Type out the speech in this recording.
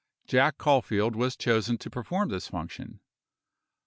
Jack Caulfield was chosen to perform this function.